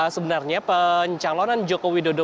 sebenarnya pencalonan jokowi dodo